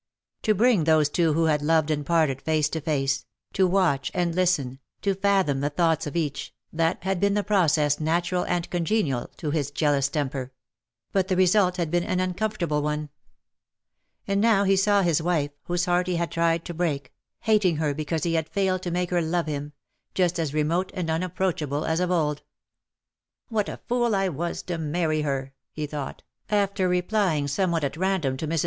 To bring those two who had loved and parted face to face, to watch and listen, to fathom the thoughts of each — that had been the process natural and congenial to his jealous temper; but the result had been an uncomfortable one. And now he saw his wife, whose heart he had tried to break — hating her because he had failed to ^^ I WILL HAVE NO MERCY ON HIM/^ 119 make her love him — ^just as remote and unapproach able as of old. " What a fool I was to marry her/^ he thought, after replying somewhat at random to Mrs. St.